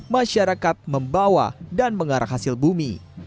masyarakat membawa dan mengarah hasil bumi